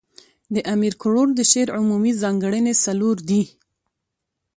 د امیر کروړ د شعر عمومي ځانګړني څلور دي.